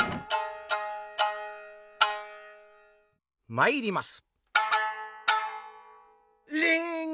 まいります。